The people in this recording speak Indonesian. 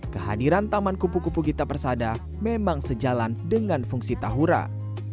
kehadiran taman kupu kupu gita persada memang sejalan dengan fungsi tahura